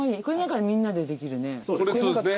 これみんなでできるね。